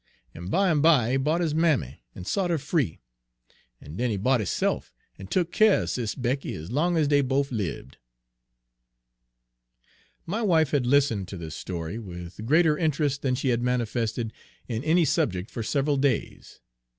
En bimeby he bought his mammy en sot her free, en den he bought hisse'f, en tuk keer er Sis' Becky ez long ez dey bofe libbed." My wife had listened to this story with greater interest than she had manifested in any subject for several days.